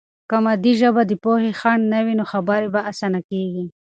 که مادي ژبه د پوهې خنډ نه وي، نو خبرې به آسانه کیږي.